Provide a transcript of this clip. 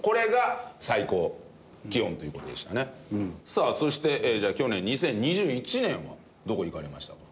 さあそしてじゃあ去年２０２１年はどこへ行かれましたか？